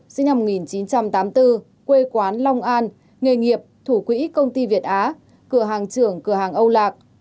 sinh năm một nghìn chín trăm tám mươi bốn quê quán long an nghề nghiệp thủ quỹ công ty việt á cửa hàng trưởng cửa hàng âu lạc